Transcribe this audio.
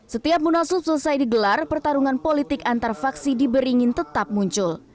setiap munaslup selesai digelar pertarungan politik antar faksi di beringin tetap muncul